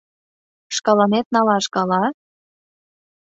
Шкаланет налаш гала?